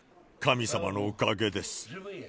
神様のおかげです。